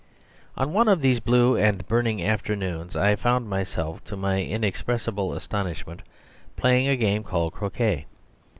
On one of these blue and burning afternoons I found myself, to my inexpressible astonishment, playing a game called croquet.